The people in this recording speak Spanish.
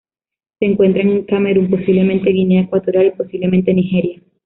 Se encuentra en Camerún, posiblemente Guinea Ecuatorial y posiblemente Nigeria.